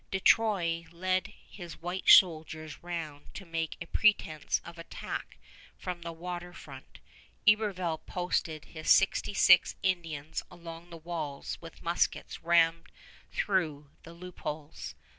De Troyes led his white soldiers round to make a pretense of attack from the water front. Iberville posted his sixty six Indians along the walls with muskets rammed through the loopholes.